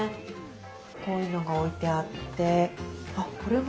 こういうのが置いてあってこれは？